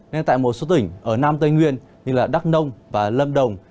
nên tại một số tỉnh ở nam tây nguyên như đắk nông và lâm đồng